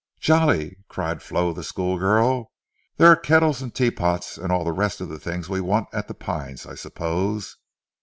"Jolly!" cried Flo the schoolgirl, "there are kettles and tea pots and all the rest of the things we want at 'The Pines' I suppose?"